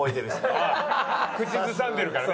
口ずさんでるからね。